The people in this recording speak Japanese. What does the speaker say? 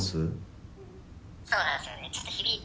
☎そうなんすよね